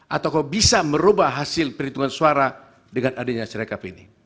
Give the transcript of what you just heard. atau kok bisa merubah hasil perhitungan suara dengan adanya serekap ini